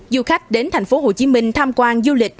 du khách đến thành phố hồ chí minh tham quan du lịch